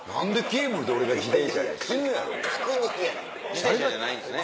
自転車じゃないんですね。